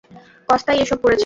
কস্তাই এসব করেছে।